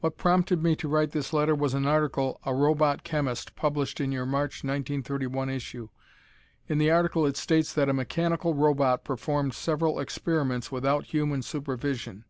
What prompted me to write this letter was an article, "A Robot Chemist," published in your March, 1931, issue. In the article it states that a mechanical robot performed several experiments without human supervision.